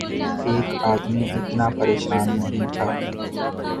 ایک آدمی اتنا پریشان نہیں تھا۔